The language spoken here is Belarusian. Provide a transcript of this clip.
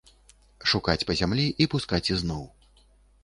Шукаць па зямлі і пускаць ізноў.